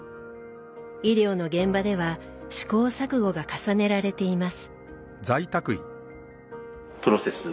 医療の現場では試行錯誤が重ねられています。